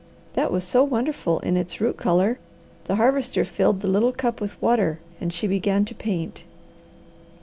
That was so wonderful in its root colour, the Harvester filled the little cup with water and she began to paint.